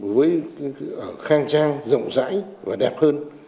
với khang trang rộng rãi và đẹp hơn